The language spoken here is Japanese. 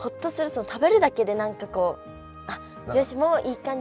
食べるだけで何かこう「あっよしもういい感じ！